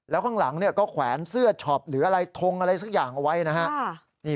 แล้วข้างหลังก็แขวนเสื้อช็อปหรืออะไรทงอะไรสักอย่างเอาไว้นะฮะ